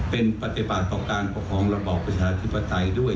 เป็นปฏิบัติต่อการปกครองระบอบประชาธิปไตยด้วย